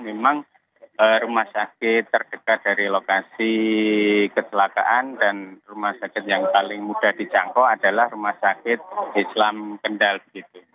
memang rumah sakit terdekat dari lokasi kecelakaan dan rumah sakit yang paling mudah dijangkau adalah rumah sakit islam kendal